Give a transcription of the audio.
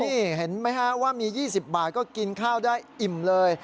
นี่เห็นไหมฮะว่ามี๒๐บาทก็กินข้าวได้อิ่มเลย